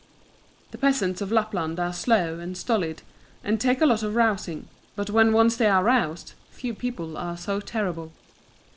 The peasants of Lapland are slow and stolid and take a lot of rousing, but when once they are roused, few people are so terrible.